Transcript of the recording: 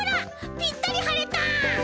ぴったりはれた！